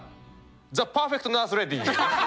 ザ・パーフェクト・ナスレッディン！！